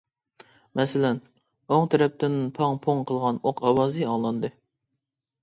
مەسىلەن: ئوڭ تەرەپتىن پاڭ-پۇڭ قىلغان ئوق ئاۋازى ئاڭلاندى.